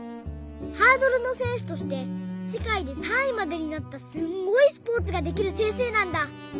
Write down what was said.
ハードルのせんしゅとしてせかいで３いまでになったすんごいスポーツができるせんせいなんだ。